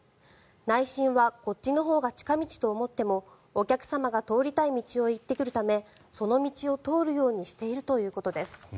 内心はこっちのほうが近道と思ってもお客様が通りたい道を言ってくるためその道を通るようにしているということです。